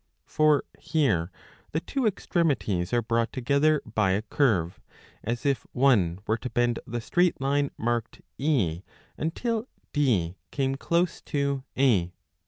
For here the two extremities are brought together by a curve, as if one were to berid the straight line marked E until D came close to A.